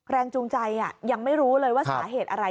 แรงจูงใจยังไม่รู้เลยว่าสาเหตุอะไร